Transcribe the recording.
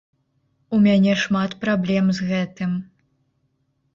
У мяне шмат праблем з гэтым.